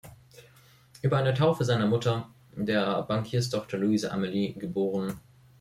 Über eine Taufe seiner Mutter, der Bankierstochter Louise Amalie geb.